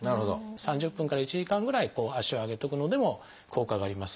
３０分から１時間ぐらい足を上げておくのでも効果があります。